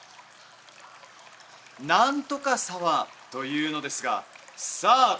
「何とか沢」というのですがさあ